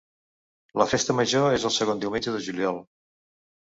La festa major és el segon diumenge de juliol.